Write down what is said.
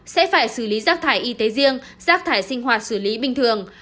sẽ phải xử lý rác thải y tế riêng rác thải sinh hoạt xử lý bình thường